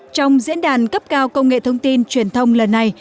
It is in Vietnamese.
trong diễn đàn cấp cao công nghệ thông tin truyền thông lần này